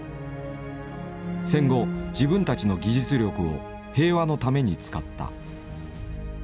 戦後自分たちの技術力を平和のために使った。